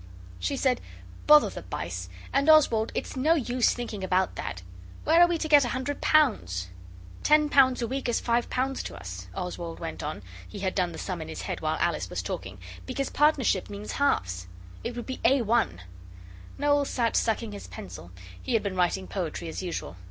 She said, 'Bother the bice! And, Oswald, it's no use thinking about that. Where are we to get a hundred pounds?' 'Ten pounds a week is five pounds to us,' Oswald went on he had done the sum in his head while Alice was talking 'because partnership means halves. It would be A1.' Noel sat sucking his pencil he had been writing poetry as usual.